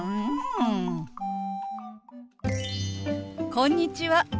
こんにちは。